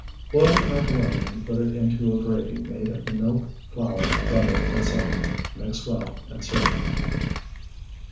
Boil the macaroni and put it into a gravy made of the milk, flour, butter, and salt. Mix well, and serve.